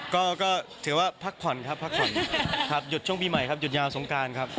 ก็ถือว่าพักผ่อนครับยดช่วงปีใหม่ยดยาวสงการครับ